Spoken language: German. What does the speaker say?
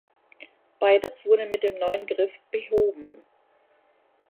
Beides wurde mit dem neuen Griff behoben.